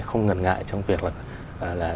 không ngần ngại trong việc là